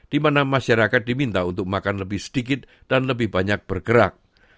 di mana masyarakat diminta untuk makan lebih sedikit dan lebih banyak bergerak